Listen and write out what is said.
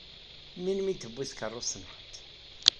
Melmi i tewwi takeṛṛust-nkent?